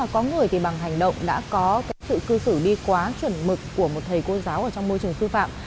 có người thì bằng hành động đã có sự cư xử đi quá chuẩn mực của một thầy cô giáo ở trong môi trường sư phạm